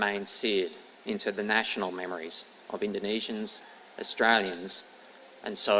malam itu tetap terjebak ke ingatan nasional indonesia australia dan banyak lagi